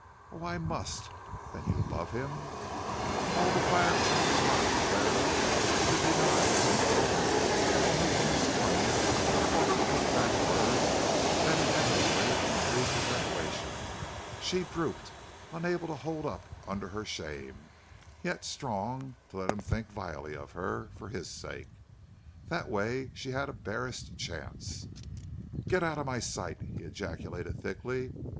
"Oh, I must!" "Then you love him?" All the fire of Joan's heart flared up to deny the insult and all her woman's cunning fought to keep back words that inevitably must lead to revelation. She drooped, unable to hold up under her shame, yet strong to let him think vilely of her, for his sake. That way she had a barest chance. "Get out of my sight!" he ejaculated, thickly.